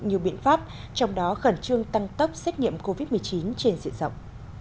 nhiều biện pháp trong đó khẩn trương tăng tốc xét nghiệm covid một mươi chín trên diện rộng